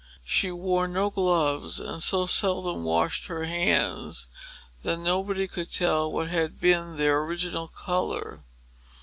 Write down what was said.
She wore no gloves, and so seldom washed her hands that nobody could tell what had been their original color.